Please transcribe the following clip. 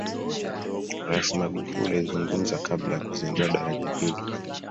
rais magufuli alizungumza kabla ya kuzindua daraja hilo